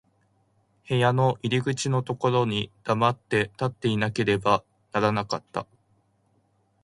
部屋の入口のところに黙って立っていなければならなかった。